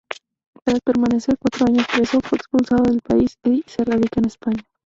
Tras permanecer cuatro años preso, fue expulsado del país y se radica en España.